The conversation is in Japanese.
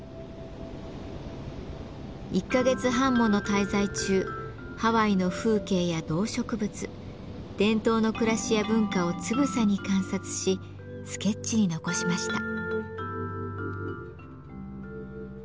１か月半もの滞在中ハワイの風景や動植物伝統の暮らしや文化をつぶさに観察しスケッチに残しました。